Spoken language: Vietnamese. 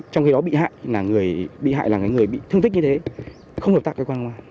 trong khi đó bị hại là người bị thương tích như thế không được tạm cơ quan